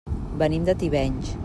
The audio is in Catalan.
Venim de Tivenys.